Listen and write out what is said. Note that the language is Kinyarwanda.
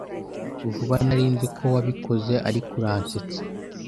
vubaNari nzi ko wabikoze ariko uransetsa